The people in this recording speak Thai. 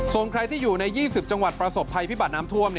ส่วนใครที่อยู่ใน๒๐จังหวัดประสบภัยพิบัตรน้ำท่วม